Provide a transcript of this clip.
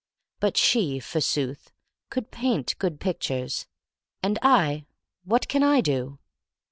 But she, forsooth, could paint good pictures, — and I — what can I do?